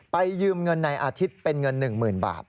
ไปยืมเงินนายอาทิตย์เป็นเงินหนึ่งหมื่นบาท